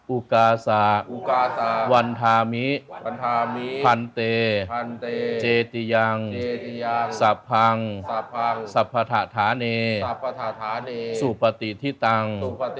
อุกาสะวันธามิพันเตเจติยังสัพพังสรรพถาธานเนสุปติทิตัง